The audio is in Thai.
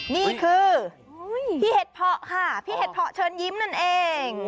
นี่คือพี่เห็ดเพาะค่ะพี่เห็ดเพาะเชิญยิ้มนั่นเอง